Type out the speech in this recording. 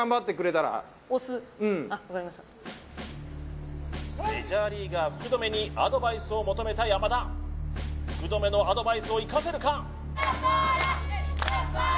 分かりましたうんメジャーリーガー福留にアドバイスを求めた山田福留のアドバイスを生かせるか？